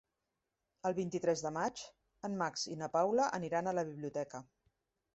El vint-i-tres de maig en Max i na Paula aniran a la biblioteca.